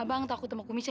abang takut sama kumis ya